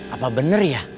apa bener ya